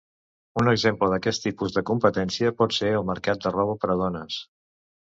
Un exemple d'aquest tipus de competència pot ser el mercat de roba per a dones.